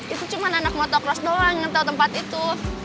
itu cuma anak motocross doang yang tahu tempat itu